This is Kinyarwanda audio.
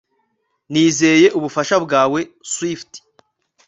Nizeye ubufasha bwawe Swift